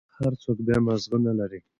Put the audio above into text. هر سوک بيا مازغه نلري.